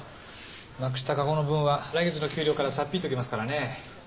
なくした籠の分は来月の給料からさっ引いておきますからね。